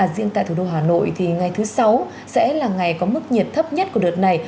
riêng tại thủ đô hà nội thì ngày thứ sáu sẽ là ngày có mức nhiệt thấp nhất của đợt này